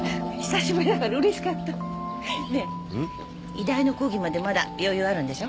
医大の講義までまだ余裕あるんでしょ？